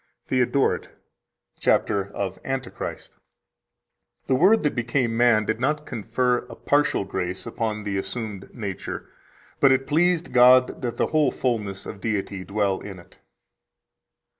112 THEODORET, cap. Of Antichrist (t. 2, p. 411): "The Word that became man did not confer a partial grace upon the assumed nature, but it pleased [God] that the whole fullness of Deity dwell in it."